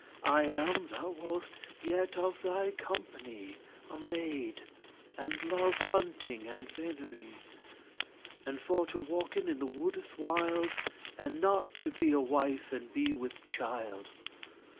I am, thou wost*, yet of thy company, *knowest A maid, and love hunting and venery*, *field sports And for to walken in the woodes wild, And not to be a wife, and be with child.